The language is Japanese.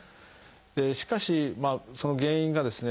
しかしその原因がですね